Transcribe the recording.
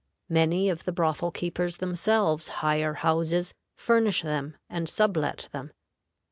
Many of the brothel keepers themselves hire houses, furnish them, and sublet them.